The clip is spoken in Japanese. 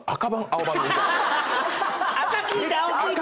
赤聴いて青聴いて。